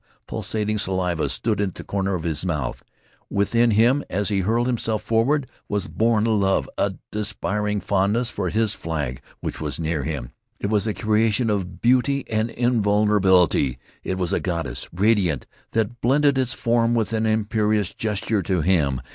Pulsating saliva stood at the corners of his mouth. Within him, as he hurled himself forward, was born a love, a despairing fondness for this flag which was near him. It was a creation of beauty and invulnerability. It was a goddess, radiant, that bended its form with an imperious gesture to him.